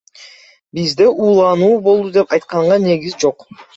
Бизде уулануу болду деп айтканга негиз жок.